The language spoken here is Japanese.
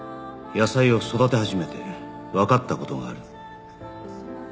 野菜を育て始めてわかった事がある